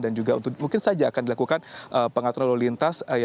dan juga untuk mungkin saja akan dilakukan pengaturan lalu lintas